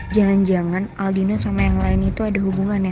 jangan jangan aldino sama yang lain itu ada hubungannya